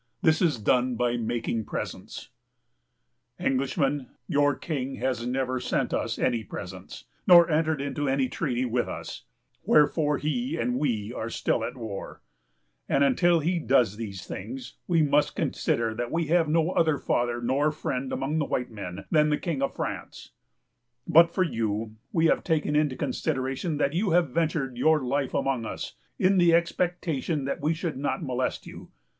This is done by making presents. "'Englishman, your king has never sent us any presents, nor entered into any treaty with us; wherefore he and we are still at war; and, until he does these things, we must consider that we have no other father nor friend, among the white men, than the King of France; but for you, we have taken into consideration that you have ventured your life among us, in the expectation that we should not molest you.